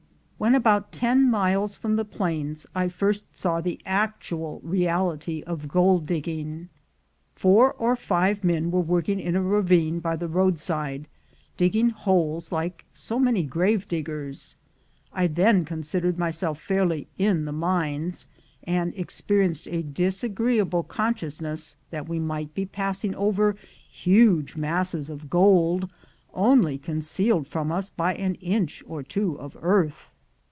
When about ten miles from the plains, I first saw the actual reality of gold digging. Four or five men were working in a ravine by the roadside, dig ging holes like so many grave diggers. I then con sidered myself fairly in "the mines," and experienced a disagreeable consciousness that we might be passing over huge masses of gold, only concealed from us by an inch or two of earth.